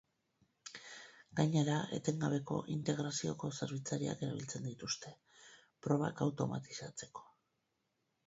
Gainera, etengabeko integrazioko zerbitzariak erabiltzen dituzte, probak automatizatzeko.